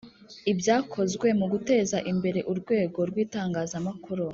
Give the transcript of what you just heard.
Ibyakozwe mu guteza imbere urwego rw itangazamakuru